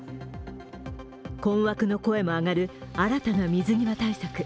困惑の声も上がる新たな水際対策。